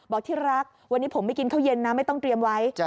ที่รักวันนี้ผมไม่กินข้าวเย็นนะไม่ต้องเตรียมไว้